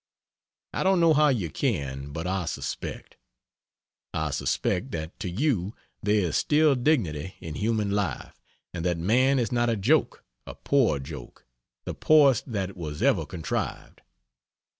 I don't know how you can but I suspect. I suspect that to you there is still dignity in human life, and that Man is not a joke a poor joke the poorest that was ever contrived.